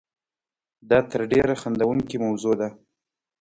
دا تر ډېره خندوونکې موضوع وه.